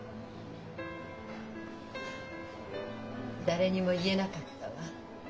誰にも言えなかったわ。